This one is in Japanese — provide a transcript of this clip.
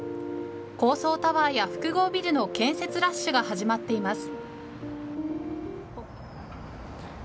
高層タワーや複合ビルの建設ラッシュが始まっています。